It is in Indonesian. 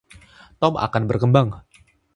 Tom akan berkembang.